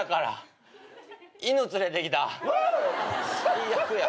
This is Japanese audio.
最悪や。